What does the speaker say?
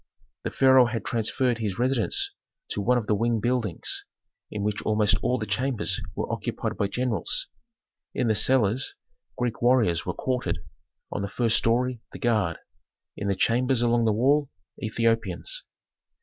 The pharaoh had transferred his residence to one of the wing buildings, in which almost all the chambers were occupied by generals. In the cellars Greek warriors were quartered, on the first story the guard, in the chambers along the wall, Ethiopians.